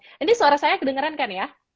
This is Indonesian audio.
ini suara saya kedengeran kan ya